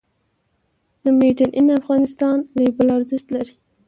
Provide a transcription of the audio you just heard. د "Made in Afghanistan" لیبل ارزښت لري؟